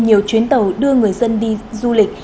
nhiều chuyến tàu đưa người dân đi du lịch